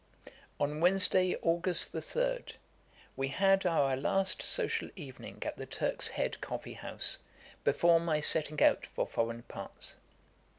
On Wednesday, August 3, we had our last social evening at the Turk's Head coffee house, before my setting out for foreign parts.